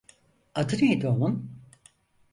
Adı neydi onun?